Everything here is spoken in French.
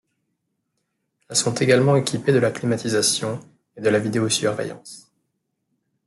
Elles sont également équipées de la climatisation et de la vidéo-surveillance.